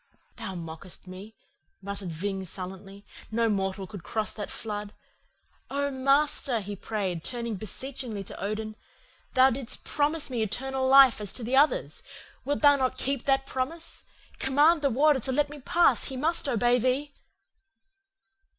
"'Thou mockest me,' muttered Ving sullenly. 'No mortal could cross that flood. Oh, Master,' he prayed, turning beseechingly to Odin, 'thou didst promise to me eternal life as to the others. Wilt thou not keep that promise? Command the Warder to let me pass. He must obey thee.